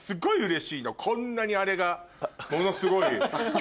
こんなにあれがものすごい。